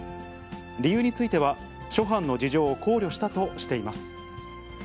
理由については諸般の事情を考慮したとしています。